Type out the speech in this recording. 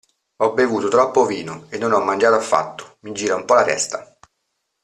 Ho bevuto troppo vino e non ho mangiato affatto, mi gira un po' la testa.